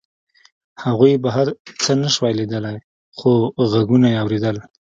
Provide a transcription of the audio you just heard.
هغوی بهر څه نشوای لیدلی خو غږونه یې اورېدل